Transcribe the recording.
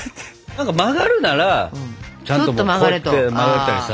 何か曲がるならちゃんとこうやって曲がれたりさ。